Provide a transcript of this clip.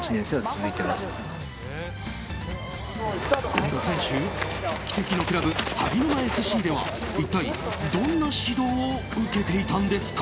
権田選手、奇跡のクラブさぎぬまＳＣでは一体、どんな指導を受けていたんですか？